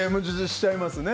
しちゃいますね。